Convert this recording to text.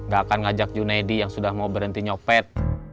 gak akan ngajak junaidi yang sudah mau berhenti nyopet